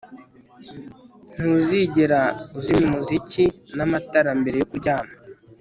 ntuzigera uzimya umuziki n'amatara mbere yo kuryama